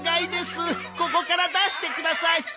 ここから出してください！